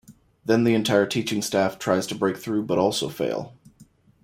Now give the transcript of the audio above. Then the entire teaching staff tries to break through but also fail.